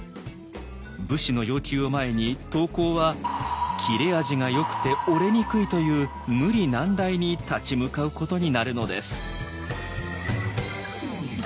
武士の要求を前に刀工は「切れ味がよくて折れにくい」という無理難題に立ち向かうことになるのです。